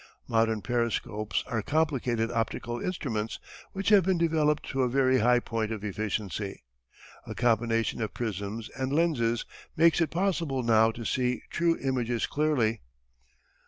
Modern periscopes are complicated optical instruments which have been developed to a very high point of efficiency. A combination of prisms and lenses makes it possible now to see true images clearly.